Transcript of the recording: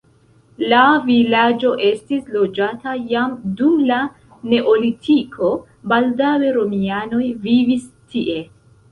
La vilaĝo estis loĝata jam dum la neolitiko, baldaŭe romianoj vivis tie.